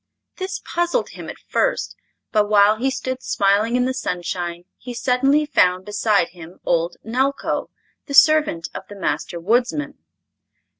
This puzzled him at first, but while he stood smiling in the sunshine he suddenly found beside him old Nelko, the servant of the Master Woodsman.